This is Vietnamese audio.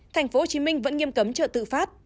tp hcm vẫn nghiêm cấm chợ tự phát